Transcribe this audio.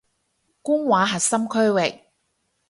官話核心區域